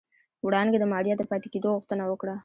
وړانګې د ماريا د پاتې کېدو غوښتنه وکړه.